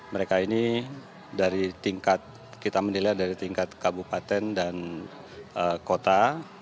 mereka ini dari tingkat kita menilai dari tingkat kabupaten dan kota